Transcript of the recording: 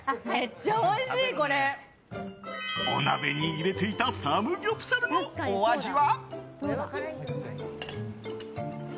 お鍋に入れていたサムギョプサルのお味は？